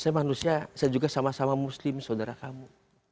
saya manusia saya juga sama sama muslim saudara kamu